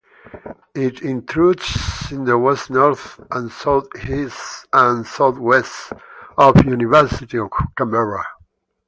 It intrudes in the west north and southeast and southwest of University of Canberra.